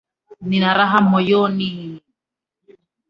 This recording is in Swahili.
Nina raha moyoni